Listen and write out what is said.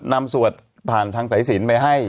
นำสวดผ่านทางสระศีลไปให้